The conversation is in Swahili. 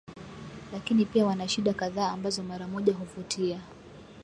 Lakini pia wana shida kadhaa ambazo mara moja huvutia